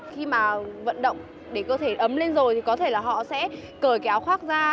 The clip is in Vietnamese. khi mà vận động để cơ thể ấm lên rồi thì có thể là họ sẽ cởi kéo khoác ra